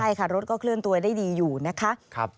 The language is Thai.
ใช่ค่ะรถก็เคลื่อนตัวได้ดีอยู่นะคะ